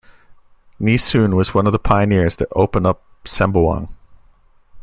Nee Soon was one of the pioneers that opened up Sembawang.